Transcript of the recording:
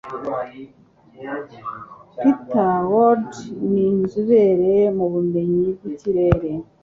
Peter Ward ni inzobere mu bumenyi bw'ikirere